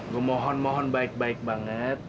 gue mohon mohon baik baik banget